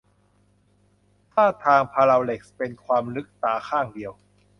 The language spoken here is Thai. ท่าทางพารัลแลกซ์เป็นความลึกตาข้างเดียว